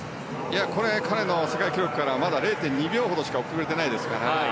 これは彼の世界記録からは０．２秒ほどしか遅れてないですから。